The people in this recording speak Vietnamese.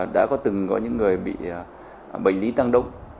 đã có từng có những người bị bệnh lý tăng đông